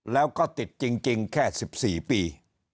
แล้วก็ติดจริงแค่๑๔ปี